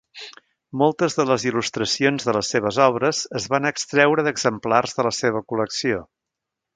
Moltes de les il·lustracions de les seves obres es van extreure d'exemplars de la seva col·lecció.